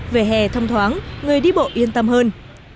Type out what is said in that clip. về hè thông thoáng người đi bộ yên tâm hơn